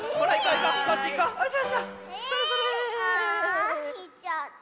ああいっちゃった。